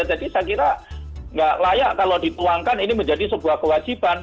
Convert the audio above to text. jadi saya kira tidak layak kalau dituangkan ini menjadi sebuah kewajiban